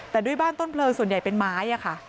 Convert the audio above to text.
แต่ด้วยบ้านต้นเพลิงส่วนใหญ่เป็นไม้ค่ะ